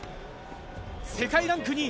世界ランク２位。